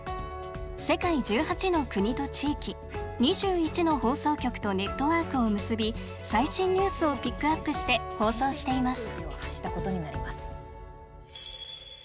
世界１８の国と地域２１の放送局とネットワークを結び最新ニュースをピックアップして放送しています。